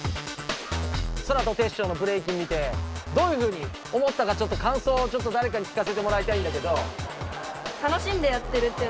ソラとテッショウのブレイキン見てどういうふうに思ったかちょっとかんそうをちょっとだれか聞かせてもらいたいんだけど。